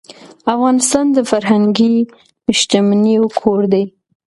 افغانستان د فرهنګي شتمنیو کور دی.